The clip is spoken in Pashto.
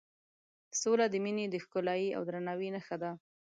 سوله د مینې د ښکلایې او درناوي نښه ده.